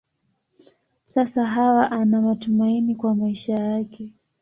Sasa Hawa ana matumaini kwa maisha yake.